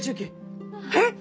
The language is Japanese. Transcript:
えっ！？